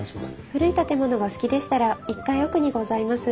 古い建物がお好きでしたら１階奥にございます